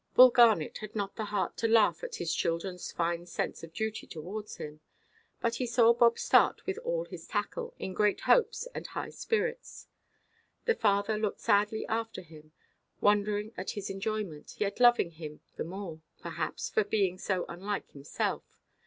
Mr. Garnet had not the heart to laugh at his childrenʼs fine sense of duty towards him; but he saw Bob start with all his tackle, in great hopes, and high spirits. The father looked sadly after him, wondering at his enjoyment, yet loving him the more, perhaps, for being so unlike himself.